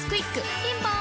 ピンポーン